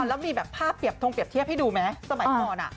แล้วมีภาพทรงเปรียบเทียบให้ดูไหมสมัยพี่อ่อน